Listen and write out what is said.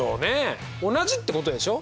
同じってことでしょ？